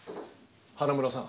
花村さん